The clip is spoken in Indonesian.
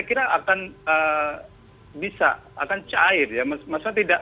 kira akan bisa akan cair ya masa tidak